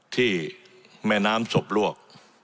ที่แม่น้ำศพลวก